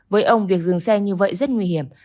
với ông việc dừng xe như vậy rất nguy hiểm